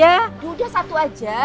yaudah satu aja